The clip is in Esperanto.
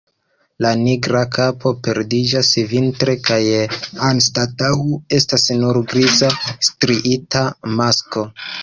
La nigra kapo perdiĝas vintre kaj anstataŭ estas nur griza striita masko.